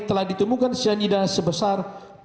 telah ditemukan sianida sebesar